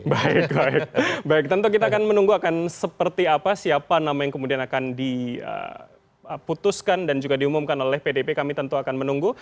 baik tentu kita akan menunggu akan seperti apa siapa nama yang kemudian akan diputuskan dan juga diumumkan oleh pdp kami tentu akan menunggu